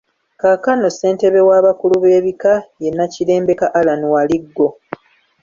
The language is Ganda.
Kaakano Ssentebe w’abakulu b’ebkika ye Nakirembeka Allan Waliggo.